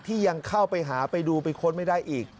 ยังเข้าไปหาไปดูไปค้นไม่ได้อีก